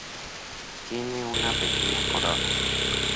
Tiene una pequeña corona.